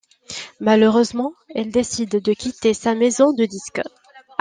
Malheureusement, elle décide de quitter sa maison de disques.